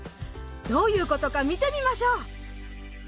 どういうことか見てみましょう！